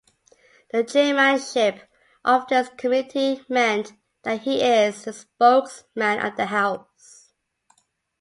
The chairmanship of this committee meant that he is the spokesman of the house.